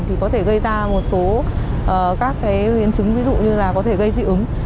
thì có thể gây ra một số các biến chứng ví dụ như là có thể gây dị ứng